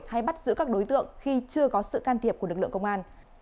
hay bắt giữ các đối tượng khi chưa có sự can thiệp của lực lượng công an